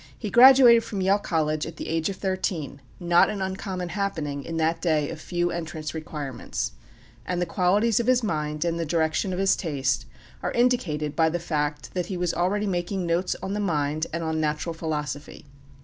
He graduated from Yale College at the age of thirteen, not an uncommon happening in that day of few entrance requirements, and the qualities of his mind and the direction of his taste are indicated by the fact that he was already making notes on the mind and on natural philosophy.